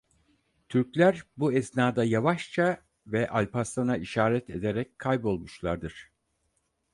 Türkler bu esnada yavaşça ve Alpaslan'a işaret ederek kaybolmuşlardır.